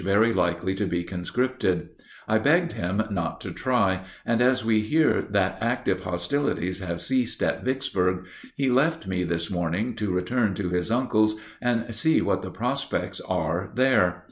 very likely to be conscripted. I begged him not to try; and as we hear that active hostilities have ceased at Vicksburg, he left me this morning to return to his uncle's and see what the prospects are there.